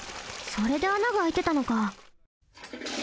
それであながあいてたのか。